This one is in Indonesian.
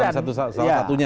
kpk masuk dalam salah satunya